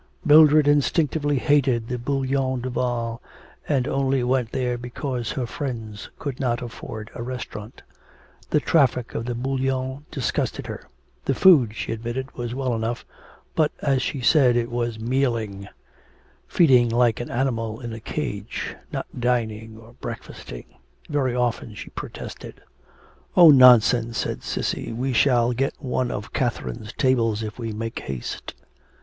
Mildred instinctively hated the Bouillon Duval, and only went there because her friends could not afford a restaurant. The traffic of the Bouillon disgusted her; the food, she admitted, was well enough, but, as she said, it was mealing feeding like an animal in a cage, not dining or breakfasting. Very often she protested. 'Oh, nonsense,' said Cissy, 'we shall get one of Catherine's tables if we make haste.'